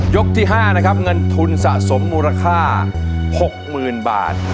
ที่๕นะครับเงินทุนสะสมมูลค่า๖๐๐๐๐บาท